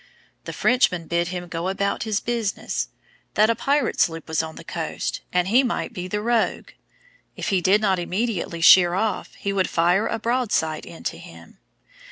The Frenchman bid him go about his business; that a pirate sloop was on the coast, and he might be the rogue; if he did not immediately sheer off, he would fire a broadside into him.